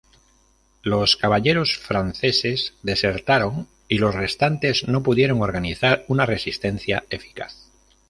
Los caballeros franceses desertaron y los restantes no pudieron organizar una resistencia eficaz.